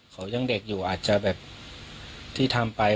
เขายังเด็กอยู่อาจจะแบบที่ทำไป